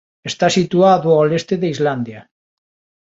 Está situado ao leste de Islandia.